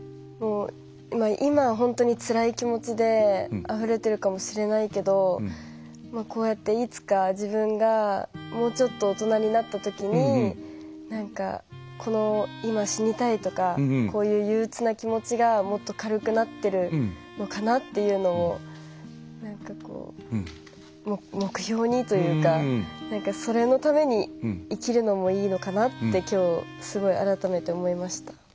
今、本当につらい気持ちであふれてるかもしれないけどこうやって、いつか自分がもうちょっと大人になったときにこの、今、死にたいとかゆううつな気持ちがもっと軽くなってるのかなっていうのも目標にというかそれのために生きるのもいいのかなって今日、すごい改めて思いました。